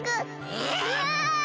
うわ！